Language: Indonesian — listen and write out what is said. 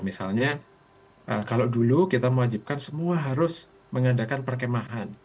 misalnya kalau dulu kita mewajibkan semua harus mengadakan perkemahan